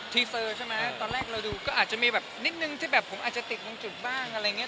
เซอร์ใช่ไหมตอนแรกเราดูก็อาจจะมีแบบนิดนึงที่แบบผมอาจจะติดตรงจุดบ้างอะไรอย่างนี้